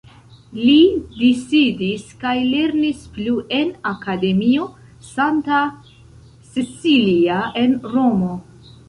Li disidis kaj lernis plu en Akademio Santa Cecilia en Romo.